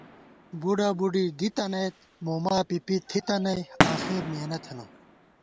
بُڈہ بُڈی دِی تنَئیت ، موما پِپِی تھِتہ نئ آخر مِیَنہ تھنہ